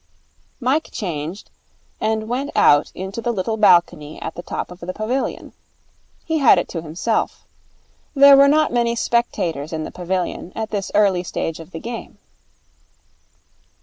Mike changed, and went out into the little balcony at the top of the pavilion. He had it to himself. There were not many spectators in the pavilion at this early stage of the game.